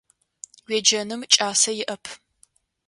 Уеджэным кӏасэ иӏэп.